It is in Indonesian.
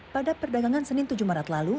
pada perdagangan senin tujuh maret lalu